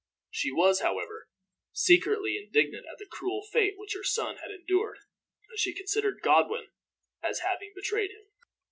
She was, however, secretly indignant at the cruel fate which her son had endured, and she considered Godwin as having betrayed him.